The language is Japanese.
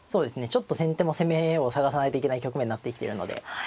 ちょっと先手も攻めを探さないといけない局面になってきてるので。